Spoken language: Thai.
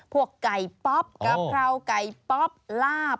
พวกไก่ป๊อปกะเพราไก่ป๊อปลาบ